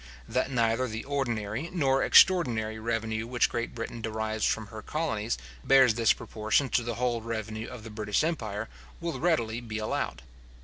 That neither the ordinary nor extraordinary revenue which Great Britain derives from her colonies, bears this proportion to the whole revenue of the British empire, will readily be allowed.